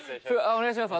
お願いします。